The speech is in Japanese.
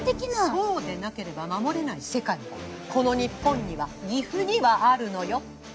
そうでなければ守れない世界がこの日本には岐阜にはあるのよ。